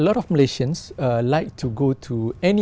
ví dụ như bãi biển ở đây